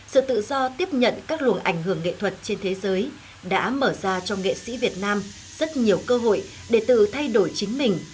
sự tự do tiếp nhận các luồng ảnh hưởng nghệ thuật trên thế giới đã mở ra cho nghệ sĩ việt nam rất nhiều cơ hội để tự thay đổi chính mình